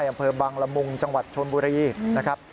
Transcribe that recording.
อำเภอบังละมุงจังหวัดชนบุรีนะครับ